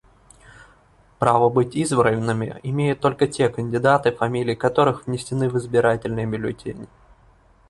Право быть избранными имеют только те кандидаты, фамилии которых внесены в избирательные бюллетени.